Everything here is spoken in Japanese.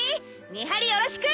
見張りよろしく。